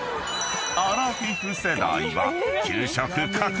［アラフィフ世代は］